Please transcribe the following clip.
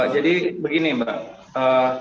jadi begini mbak